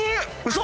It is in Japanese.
嘘！